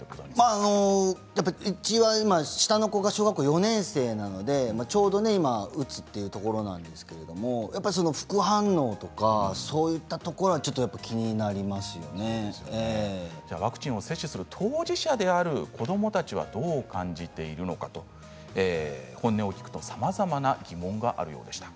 うちは今、下の子が小学校４年生なのでちょうど今打つというところなんですけれどやっぱり副反応とかそういったところはワクチンを接種する当事者である子どもたちはどう感じているのか本音を聞くと、さまざまな疑問があるようでした。